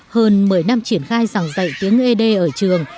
hơn một mươi năm triển khai giảng dạy tiếng ế đê ở trường